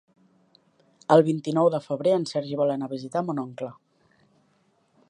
El vint-i-nou de febrer en Sergi vol anar a visitar mon oncle.